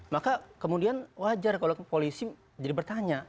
maka kemudian wajar kalau polisi jadi bertanya